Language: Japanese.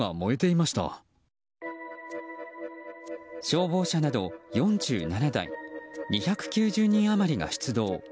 消防車など４７台２９０人余りが出動。